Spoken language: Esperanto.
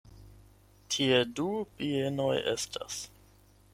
Tie du bienoj estas.